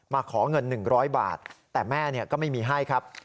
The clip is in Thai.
ขอเงิน๑๐๐บาทแต่แม่ก็ไม่มีให้ครับ